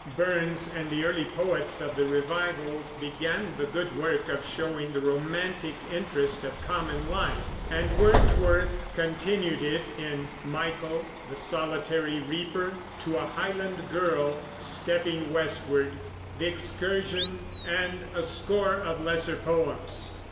Burns and the early poets of the Revival began the good work of showing the romantic interest of common life; and Wordsworth continued it in "Michael," "The Solitary Reaper," "To a Highland Girl," "Stepping Westward," The Excursion, and a score of lesser poems.